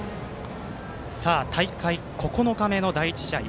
大会９日目の第１試合。